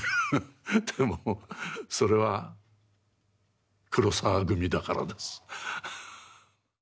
でもそれは黒澤組だからです。